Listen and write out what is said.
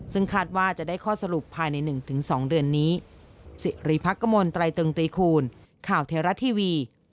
ซึ่งคาดว่าจะได้ข้อสรุปภายใน๑๒เดือนนี้